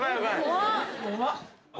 怖っ